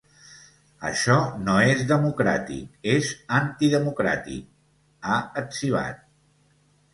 Això no és democràtic, és antidemocràtic, ha etzibat.